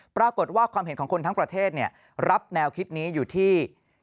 ปรากฏว่าความเห็นของคนทั้งประเทศรับแนวคิดนี้อยู่ที่